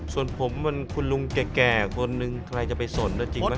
ส่วนผมมันคุณลุงแก่คนนึงใครจะไปสนแล้วจริงไหม